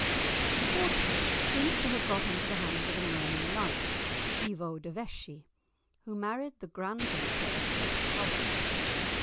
The fortress seems to have got into the hands of a Norman knight, Ivo de Vesci, who married the grand daughter of Gilbert Tyson.